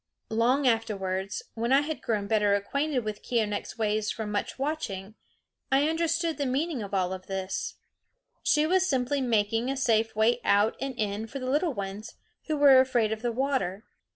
Long afterwards, when I had grown better acquainted with Keeonekh's ways from much watching, I understood the meaning of all this. She was simply making a safe way out and in for the little ones, who were afraid of the water.